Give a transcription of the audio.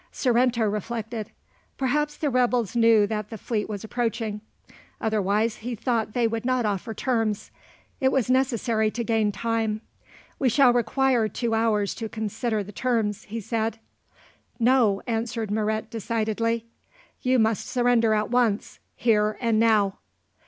Sorrento reflected. Perhaps the rebels knew that the fleet was approaching; otherwise, he thought they would not offer terms. It was necessary to gain time. "We shall require two hours fro consider the terms," he said. "No," answered Moret decidedly. "You must surrender at once, here and now."